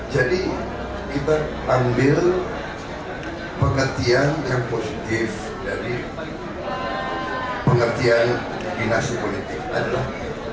jadi kita ambil pengertian yang positif dari pengertian dinasti politik adalah